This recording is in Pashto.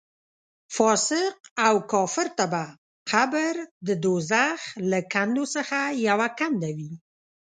فاسق او کافر ته به قبر د دوزخ له کندو څخه یوه کنده وي.